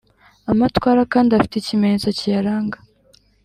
Amatwara kandi afite ikimenyetso kiyaranga